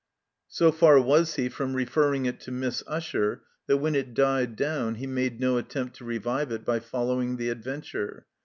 So far was he from referring it to Miss Usher that when it died down he made no attempt to revive it by following the adventure.